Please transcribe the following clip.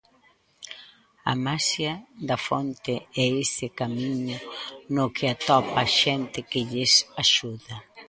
A maxia da fonte é ese camiño no que atopa xente que lles axuda.